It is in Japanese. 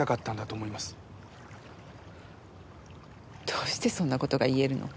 どうしてそんな事が言えるの？